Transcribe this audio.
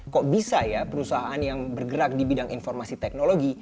kok bisa ya perusahaan yang bergerak di bidang informasi teknologi